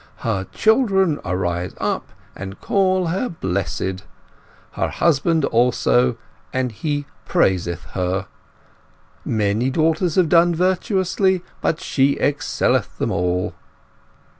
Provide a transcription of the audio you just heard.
'Her children arise up and call her blessed; her husband also, and he praiseth her. Many daughters have done virtuously, but she excelleth them all.